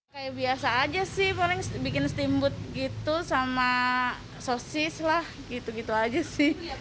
kayak biasa aja sih paling bikin steamboot gitu sama sosis lah gitu gitu aja sih